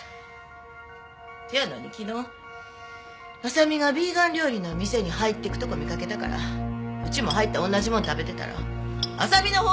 せやのに昨日麻未がビーガン料理の店に入って行くとこ見かけたからうちも入って同じもん食べてたら麻未のほうから話しかけてきてん。